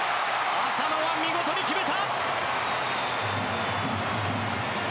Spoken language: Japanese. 浅野は見事に決めた！